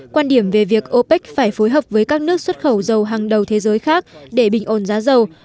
quan điểm về việc opec phải phối hợp với các nước xuất khẩu dầu hàng đầu thế giới khác để bình ổn giá dầu